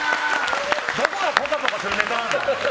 どこがぽかぽかするネタなんだよ。